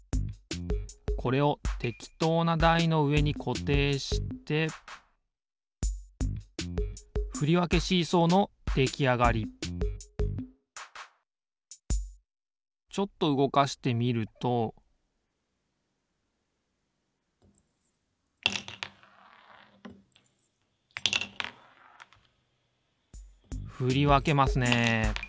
これをてきとうなだいのうえにこていしてできあがりちょっとうごかしてみるとふりわけますね。